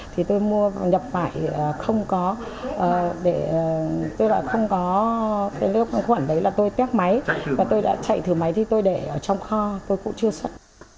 thì tôi mua và nhập vải không có tôi lại không có lớp kháng khuẩn đấy là tôi tét máy và tôi đã chạy thử máy thì tôi để ở trong kho tôi cũng chưa xuất